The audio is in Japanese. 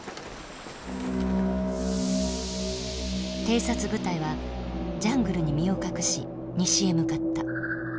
偵察部隊はジャングルに身を隠し西へ向かった。